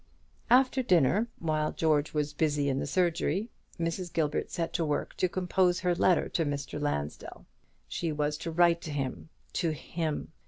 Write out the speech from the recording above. After dinner, while George was busy in the surgery, Mrs. Gilbert set to work to compose her letter to Mr. Lansdell. She was to write to him to him!